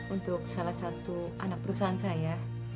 untuk salah satu anak perusahaan saya